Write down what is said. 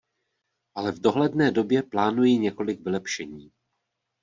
Ale v dohledné době plánuji několik vylepšení.